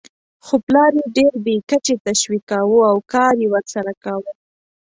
خو پلار یې ډېر بې کچې تشویقاوو او کار یې ورسره کاوه.